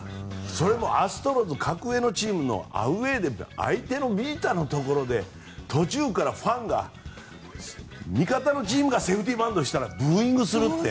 それもアストロズ格上のチームのアウェーで相手のビジターのところで途中からファンが味方のチームがセーフティーバントしたらブーイングするって。